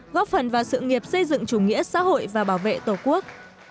góp phần vào sự nghiệp xây dựng chủ nghĩa xã hội và bảo vệ tổ quốc